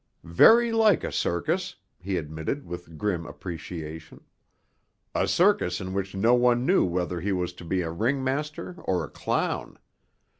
"Very like a circus," he admitted with grim appreciation. "A circus in which no one knew whether he was to be a ringmaster or a clown.